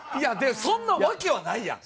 そんなわけはないやん。